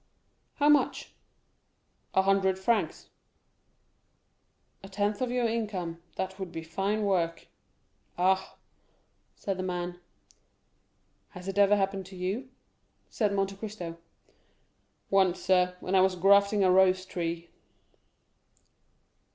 "How much?" "A hundred francs." "The tenth of your income—that would be fine work." "Ah!" said the man. "Has it ever happened to you?" said Monte Cristo. "Once, sir, when I was grafting a rose tree."